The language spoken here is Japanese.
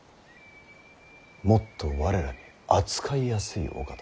もっと我らに扱いやすいお方を。